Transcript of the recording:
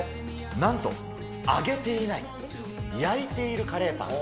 なんと揚げていない、焼いているカレーパン。